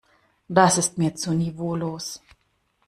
Das ist mir zu niveaulos.